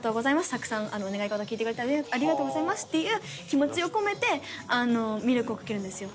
たくさんお願い事を聞いてくれてありがとうございますっていう気持ちを込めてミルクをかけるんですよ。